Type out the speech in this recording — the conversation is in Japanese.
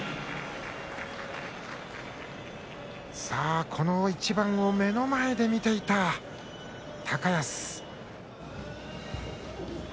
さあこの一番を目の前で見ていた高安。